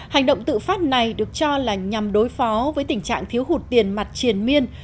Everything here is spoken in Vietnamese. hành động tự phát này được cho là nhằm đối phó với tình trạng thiếu hụt tiền mặt triền miên